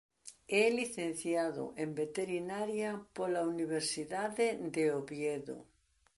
É licenciado en Veterinaria pola Universidade de Oviedo.